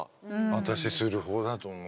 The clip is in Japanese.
私するほうだと思う。